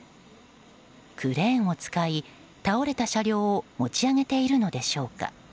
クレーンを使い、倒れた車両を持ち上げているのでしょうか。